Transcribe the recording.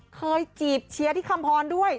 จีบเชียร์ที่คำพรด้วย